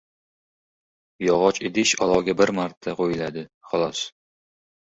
• Yog‘och idish olovga bir marta qo‘yiladi, xolos.